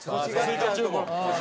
追加注文？